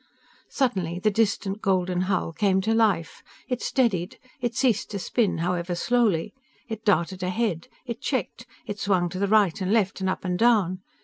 Suddenly, the distant golden hull came to life. It steadied. It ceased to spin, however slowly. It darted ahead. It checked. It swung to the right and left and up and down.